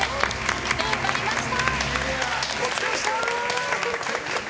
頑張りました！